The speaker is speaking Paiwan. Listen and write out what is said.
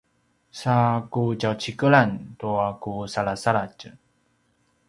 sa ku tjaucikelan tua ku salasaladj